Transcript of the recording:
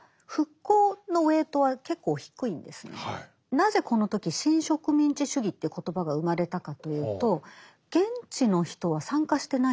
なぜこの時新植民地主義という言葉が生まれたかというと現地の人は参加してないんですよ